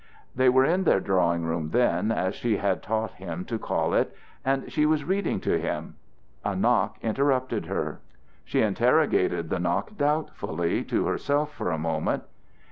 They were in their drawing room, then, as she had taught him to call it, and she was reading to him. A knock interrupted her. She interrogated the knock doubtfully to herself for a moment.